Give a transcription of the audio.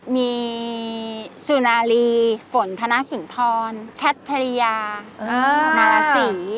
มีสุนารีฝนธนสุนทรแคทริยามาราศรี